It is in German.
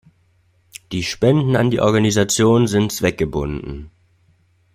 Die Spenden an die Organisation sind zweckgebunden.